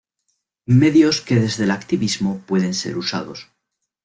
medios que desde el activismo pueden ser usados